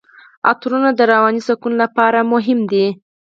عطرونه د رواني سکون لپاره مهم دي.